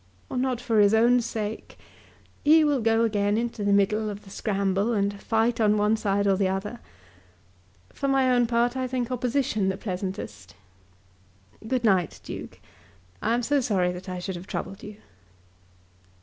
"Not for his own sake. He will go again into the middle of the scramble and fight on one side or the other. For my own part I think opposition the pleasantest. Good night, Duke. I am so sorry that I should have troubled you."